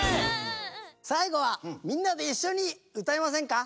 さいごはみんなでいっしょにうたいませんか？